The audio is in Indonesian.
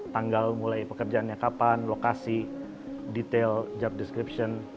tanggal mulai pekerjaannya kapan lokasi detail job description